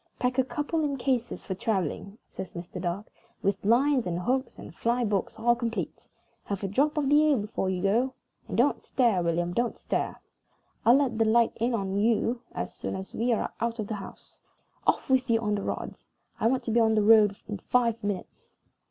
"Pack a couple in cases for traveling," says Mr. Dark, "with lines, and hooks, and fly books all complete. Have a drop of the ale before you go and don't stare, William, don't stare. I'll let the light in on you as soon as we are out of the house. Off with you for the rods! I want to be on the road in five minutes."